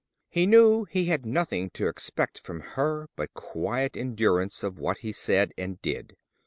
He knew he had nothing to expect from her but quiet endurance of what he said and did.